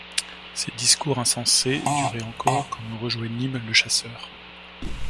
Ces discours insensés duraient encore quand nous rejoignîmes le chasseur.